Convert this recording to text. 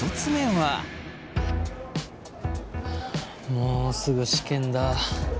はあもうすぐ試験だ。